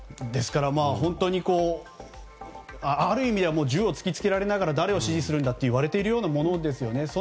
ですから、ある意味では銃を突き付けられながら誰を支持するんだと言われてるようなものですよね。